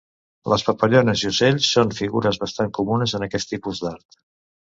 Les papallones i ocells són figures bastant comunes en aquest tipus d'art.